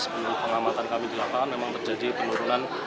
penumpang amatan kami di lapangan memang terjadi penurunan